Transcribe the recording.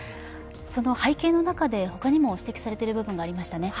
その背景の中で他にも指摘されている部分がありましたね。